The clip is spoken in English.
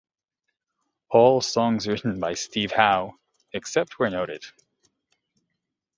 All songs written by Steve Howe except where noted.